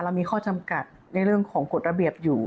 มีข้อจำกัดในเรื่องของกฎระเบียบอยู่